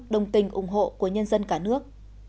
đồng tình ủng hộ của nhân dân cả nước